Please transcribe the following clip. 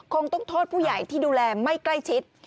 คงต้องโทษผู้ใหญ่ที่ดูแลไม่ใกล้ชิด